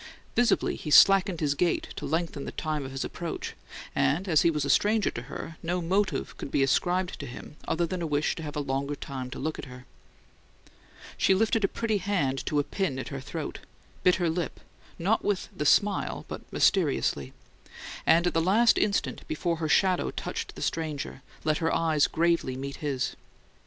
Visibly, he slackened his gait to lengthen the time of his approach, and, as he was a stranger to her, no motive could be ascribed to him other than a wish to have a longer time to look at her. She lifted a pretty hand to a pin at her throat, bit her lip not with the smile, but mysteriously and at the last instant before her shadow touched the stranger, let her eyes gravely meet his.